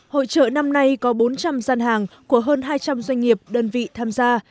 hội trợ năm nay có bốn trăm linh gian hàng của hơn hai trăm linh doanh nghiệp đơn vị tham gia